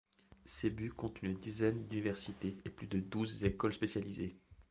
Cebu compte une dizaine d‘universités et plus de douze écoles spécialisées.